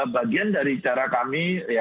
bagian dari cara kami